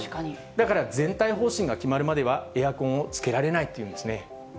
だから全体方針が決まるまではエアコンをつけられないっていうんですね。